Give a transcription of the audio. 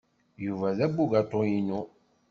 Yuba d abugaṭu-inu.